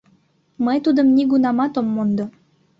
Мый тудым нигунамат ом мондо...